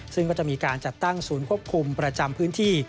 ซึ่งก็จะมีการจัดตั้งศูนย์ควบคุมประจำพื้นที่